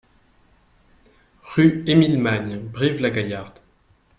Rue Emile Magne, Brive-la-Gaillarde